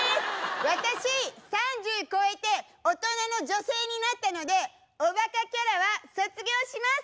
私３０超えて大人の女性になったのでおバカキャラは卒業します！